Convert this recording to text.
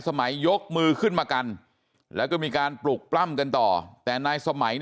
ยกมือขึ้นมากันแล้วก็มีการปลุกปล้ำกันต่อแต่นายสมัย